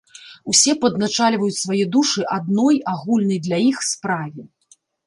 Усе падначальваюць свае душы адной, агульнай для іх справе.